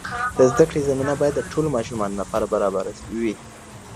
د زده کړي زمینه باید د ټولو ماشومانو لپاره برابره وي.